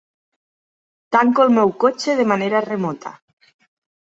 Tanco el meu cotxe de manera remota.